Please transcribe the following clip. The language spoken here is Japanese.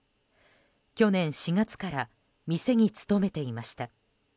去年４月から店に勤めていました。